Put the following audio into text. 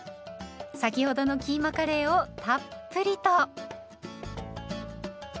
先ほどのキーマカレーをたっぷりと。